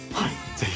ぜひ！